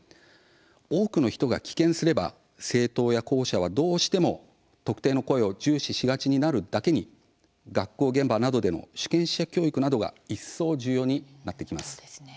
多くの人が棄権すれば政党や候補者はどうしても特定の声を重視しがちになるだけに学校現場などでの主権者教育などが一層重要になってきます。